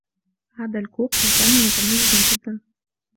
هذا الكوخ مكان متميز جدا.